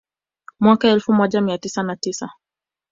Mwaka elfu moja mia tisa na tisa